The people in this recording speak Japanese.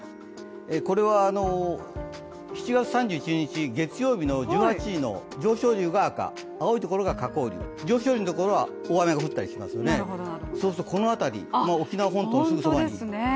これは７月３１日、月曜日の１８日の上昇流が赤青いところが下降流大雨が降ったりしますよね、そうするとこの辺り、沖縄本島のすぐそばに。